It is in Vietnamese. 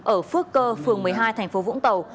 ở phước cơ phường một mươi hai tp vũng tàu